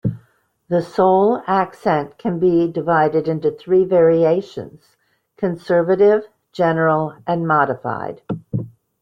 The Seoul accent can be divided into three variations: conservative, general, and modified.